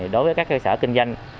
đối với các cơ sở kinh doanh